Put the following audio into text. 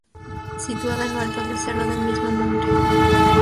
Situada en lo alto del cerro del mismo nombre.